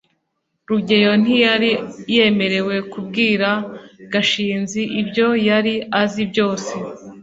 rugeyo ntiyari yemerewe kubwira gashinzi ibyo yari azi byose